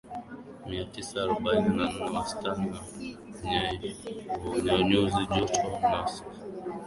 mia tisa arobaini na nne Wastani wa nyuzi joto ni sentigredi mia mbili sitini